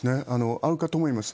あるかと思います。